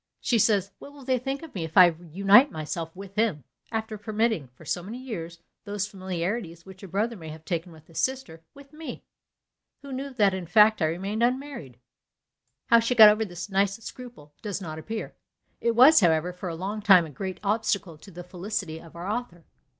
She says, "what will they think of me if I unite myself to him, after permitting, for so many years, those familiarities which a brother may have taken with a sister, with me, who knew that in fact I remained unmarried?" How she got over this nice scruple does not appear; it was, however, for a long time a great obstacle to the felicity of our author.